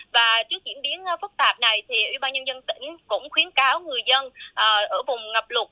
và trước diễn biến phức tạp này thì ubnd tỉnh cũng khuyến cáo người dân ở vùng ngập lục